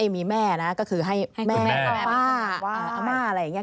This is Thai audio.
มีแม่ก็คือให้คุณแม่ป้าคมม่าอะไรนึง